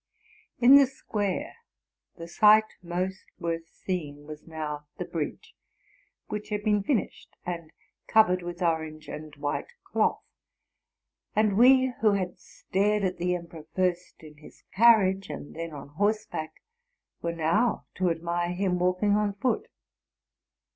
In the square, the sight most worth seeing was now the bridge, which had been finished, and covered with orange and white cloth; and we who had stared at the emperor. first in his carriage and then on horseback, were now to admire him walking on foot.